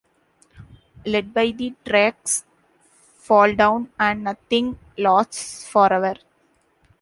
Led by the tracks 'Fall Down' and 'Nothing Lasts Forever'.